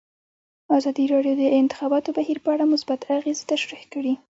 ازادي راډیو د د انتخاباتو بهیر په اړه مثبت اغېزې تشریح کړي.